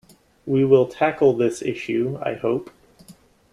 We will tackle this issue, I hope.